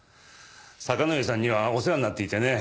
坂之上さんにはお世話になっていてね。